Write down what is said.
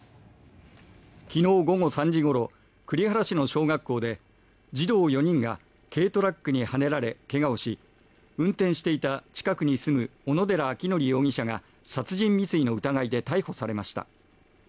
昨日午後３時ごろ栗原市の小学校で児童４人が軽トラックにはねられ怪我をし運転していた近くに住む小野寺章仁容疑者が殺人未遂の疑いで逮捕されました。